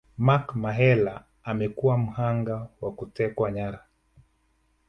Mark Mahela amekuwa mhanga wa kutekwa nyara